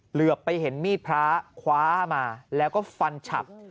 เหลือไปเห็นมีดพระคว้ามาแล้วก็ฟันฉับ